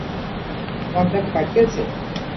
ও আপনাকে পাঠিয়েছে?